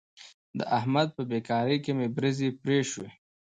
د احمد په بېګار کې مې برځې پرې شوې.